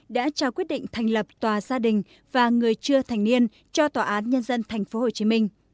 đã trao quyết định thành lập tòa gia đình và người chưa thành niên cho tòa án nhân dân tp hcm